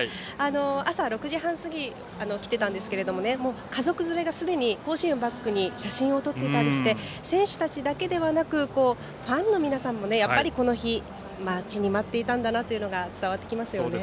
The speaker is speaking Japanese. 朝６時半過ぎ、来ていたんですが家族連れがすでに甲子園をバックに写真を撮っていたりして選手たちだけではなくファンの皆さんもこの日を待ちに待っていたというのが伝わってきますよね。